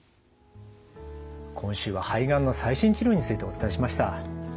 今週は「肺がんの最新治療」についてお伝えしました。